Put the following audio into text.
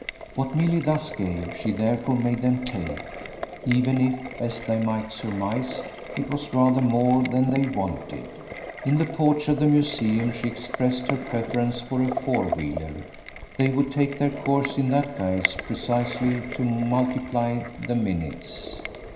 What Milly thus gave she therefore made them take even if, as they might surmise, it was rather more than they wanted. In the porch of the museum she expressed her preference for a four wheeler; they would take their course in that guise precisely to multiply the minutes.